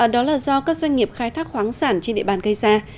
đó là do các doanh nghiệp khai thác khoáng sản trên địa bàn cây xa